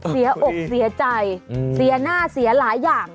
เสียอกเสียใจเสียหน้าเสียหลายอย่าง